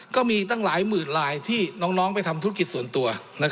ก็มีตั้งหลายหมื่นลายที่น้องไปทำธุรกิจส่วนตัว